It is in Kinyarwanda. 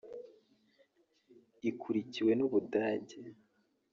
ikurikiwe n’u Budage